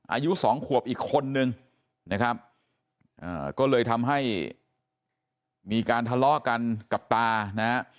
อายุสองขวบอีกคนนึงนะครับก็เลยทำให้มีการทะเลาะกันกับตานะฮะ